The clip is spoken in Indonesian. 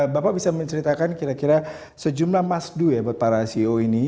bapak bisa menceritakan kira kira sejumlah massdu ya buat para ceo ini